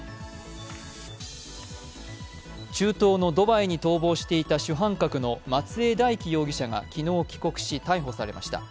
中東のドバイに逃亡していた主犯格の松江大樹容疑者が昨日、帰国し逮捕されました。